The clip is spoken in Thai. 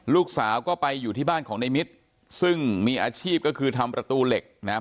ลูกสาวก็ไปอยู่ที่บ้านของในมิตรซึ่งมีอาชีพก็คือทำประตูเหล็กนะครับ